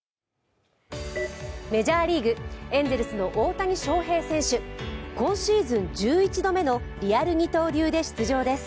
メジャーリーグ、エンゼルスの大谷翔平選手、今シーズン１１勝目のリアル二刀流で出場です。